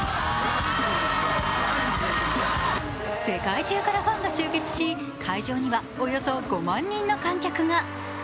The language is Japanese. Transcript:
世界中からファンが集結し会場にはおよそ５万人の観客が。